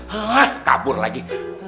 hah kabur lagi